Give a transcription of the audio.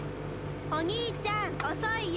おにいちゃんおそいよ！